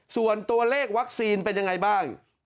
ส่วนตัวเลขวัคซีนเป็นยังไงบ้าง